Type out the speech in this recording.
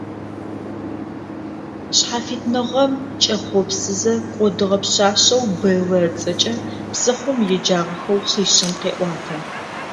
Шъхьафитныгъэм кӏэхъопсызэ кӏодыгъэ пшъашъэу Бэллэ ыцӏэкӏэ псыхъом еджагъэхэу хъишъэм къеӏуатэ.